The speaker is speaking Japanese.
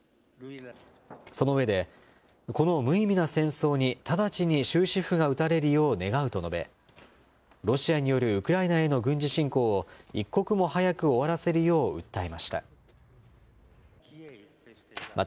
その上で、この無意味な戦争に直ちに終止符が打たれるよう願うと述べ、ロシアによるウクライナへの軍事侵攻を一刻も早く終わらせるよう訴えました。